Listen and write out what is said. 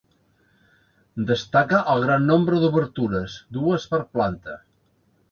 Destaca el gran nombre d'obertures, dues per planta.